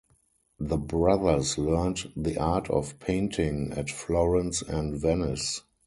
The brothers learnt the art of painting at Florence and Venice.